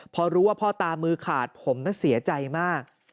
พอรู้ว่าพ่อตามือขาดผมน่าเสียใจมาก